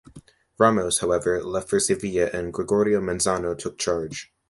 Ramos, however, left for Sevilla and Gregorio Manzano took charge.